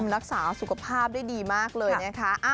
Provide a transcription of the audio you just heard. รักษาสุขภาพได้ดีมากเลยนะคะ